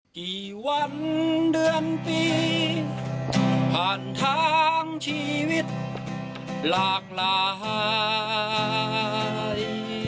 กี่วันเดือนปีผ่านทางชีวิตหลากหลาย